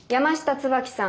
椿さん